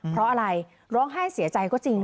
เพราะอะไรร้องไห้เสียใจก็จริง